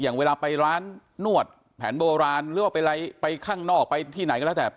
อย่างเวลาไปร้านนวดแผนโบราณหรือว่าไปข้างนอกไปที่ไหนก็แล้วแต่